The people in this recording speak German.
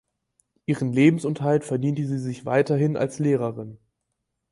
Ihren Lebensunterhalt verdiente sie sich weiterhin als Lehrerin.